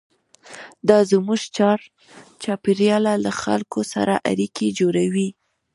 دا زموږ چارچاپېره له خلکو سره اړیکې جوړوي.